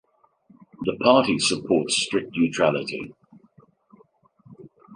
The party supportes strict neutrality.